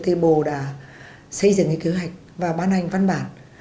tây bồ đã xây dựng những kế hoạch và bán hành văn bản